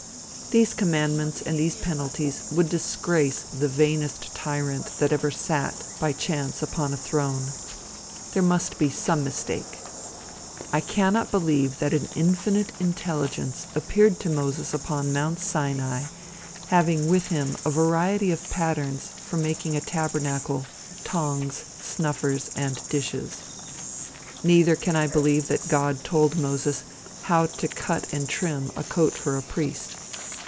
These commandments and these penalties would disgrace the vainest tyrant that ever sat, by chance, upon a throne. There must be some mistake. I cannot believe that an infinite Intelligence appeared to Moses upon Mount Sinai having with him a variety of patterns for making a tabernacle, tongs, snuffers and dishes. Neither can I believe that God told Moses how to cut and trim a coat for a priest.